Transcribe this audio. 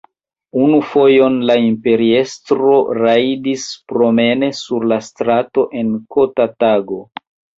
Unu fojon la imperiestro rajdis promene sur la strato en kota tago.